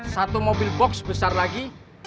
satu mobil box besar lagi